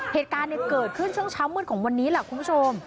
เหตุการณ์เกิดขึ้นช่วงเช้ามืดของวันนี้แหละคุณผู้ชม